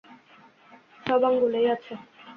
সব আঙুলেই আছে।